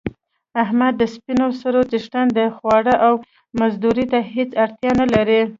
احمد د سپینو سرو څښتن دی خوارۍ او مزدورۍ ته هېڅ اړتیا نه لري.